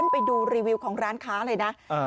ไปดูรีวิวของร้านค้าเลยนะ